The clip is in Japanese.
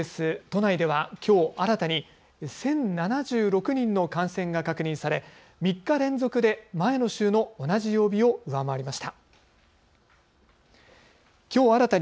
都内ではきょう新たに１０７６人の感染が確認され３日連続で前の週の同じ曜日を上回りました。